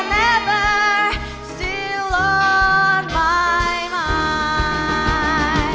เป็นทางงานในวันนี้